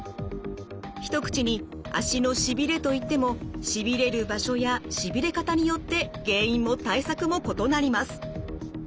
一口に足のしびれといってもしびれる場所やしびれ方によって原因も対策も異なります。